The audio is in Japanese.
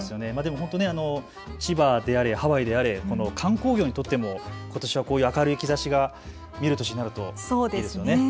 本当、千葉であれハワイであれ観光業にとってもことしは明るい兆しが見える年になるといいですよね。